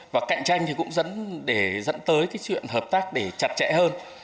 và cạnh tranh thì cũng dẫn tới cái chuyện hợp tác để chặt chẽ hơn